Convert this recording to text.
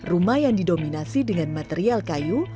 rumah yang didominasi dengan material kayu